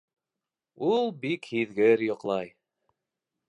Ул бик һиҙгер йоҡлай